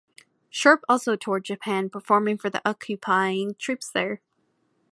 Sharp also toured Japan performing for the occupying troops there.